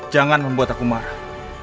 jangan membuat aku marah